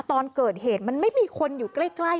ตอนเกิดเหตุมันไม่มีคนอยู่ใกล้